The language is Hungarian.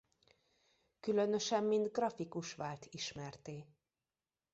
Különösen mint grafikus vált ismertté.